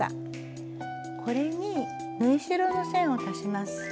これに縫い代の線を足します。